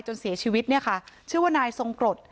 จนเสียชีวิตเนี่ยค่ะชื่อว่านายทรงกรด